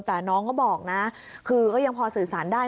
แต่น้องก็บอกนะคือก็ยังพอสื่อสารได้